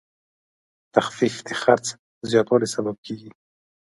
تخفیف د خرڅ زیاتوالی سبب کېږي.